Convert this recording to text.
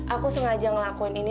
aku sengaja ngelakuin ini